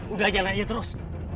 udah jangan aja terus